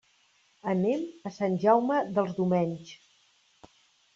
Anem a Sant Jaume dels Domenys.